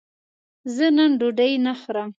زه نن ډوډی نه خورم